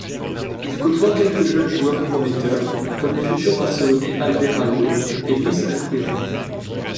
Il côtoie quelques jeunes joueurs prometteurs comme les futurs barcelonais Abelardo et Luis Enrique.